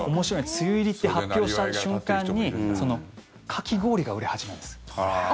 梅雨入りって発表した瞬間にかき氷が売れ始めるんです。